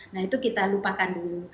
nah itu kita lupakan dulu